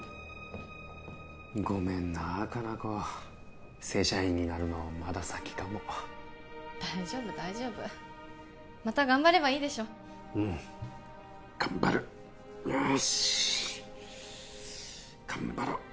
ごめんな果奈子正社員になるのまだ先かも大丈夫大丈夫また頑張ればいいでしょうん頑張るよし頑張ろう